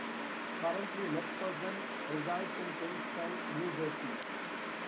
Currently, McPherson resides in Princeton, New Jersey.